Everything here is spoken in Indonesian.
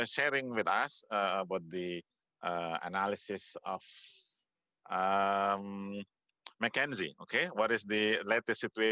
saya melihat saya adalah pengadil mckinsey di seluruh asia